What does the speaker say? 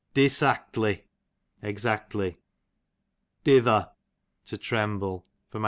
Disactly, exactly. Dither, to tremble. A.